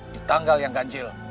di tanggal yang ganjil